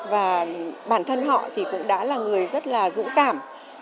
và bản thân họ thì cũng đã là người rất là dũng cảm